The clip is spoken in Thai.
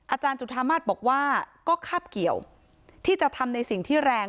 อาจารย์จุธามาศบอกว่าก็คาบเกี่ยวที่จะทำในสิ่งที่แรง